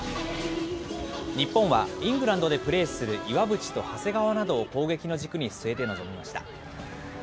日本はイングランドでプレーする岩渕と長谷川などを攻撃の軸に据えて臨みました。